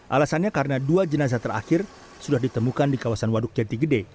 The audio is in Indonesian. alasannya karena dua jenazah terakhir sudah ditemukan di kawasan waduk jati gede